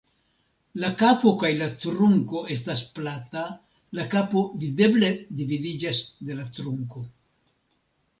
La kapo kaj la trunko estas plata, la kapo videble dividiĝas de la trunko.